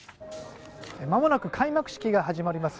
まもなく開幕式が始まります。